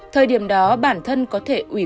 thời điểm đó bản thân có thể ủy